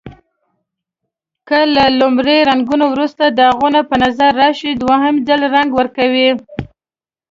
که له لومړي رنګولو وروسته داغونه په نظر راشي دویم ځل رنګ ورکړئ.